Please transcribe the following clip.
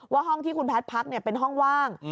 ห้องที่คุณแพทย์พักเป็นห้องว่าง